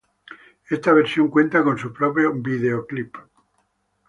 Esta versión cuenta con su propio videoclip.